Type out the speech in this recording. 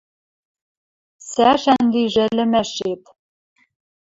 Цӓшӓн лижӹ ӹлӹмӓшет! —